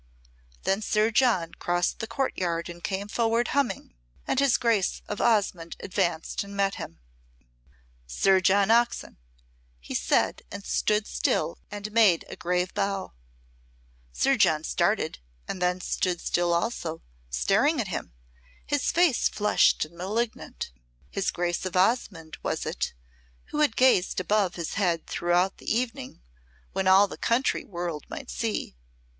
Then Sir John crossed the courtyard and came forward humming, and his Grace of Osmonde advanced and met him. "Sir John Oxon," he said, and stood still and made a grave bow. John Oxon started and then stood still also, staring at him, his face flushed and malignant. His Grace of Osmonde was it who had gazed above his head throughout the evening, when all the country world might see!